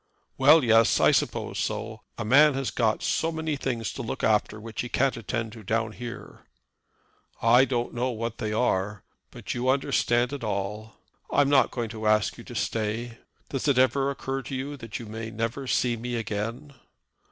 "Well, yes; I suppose so. A man has got so many things to look after which he can't attend to down here." "I don't know what they are, but you understand it all. I'm not going to ask you to stay. Does it ever occur to you that you may never see me again?"